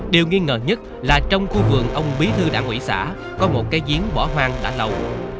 điều nghi ngờ nhất là trong khu vườn ông bí thư đảng ủy xã có một cái giếng bỏ hoang đã lâu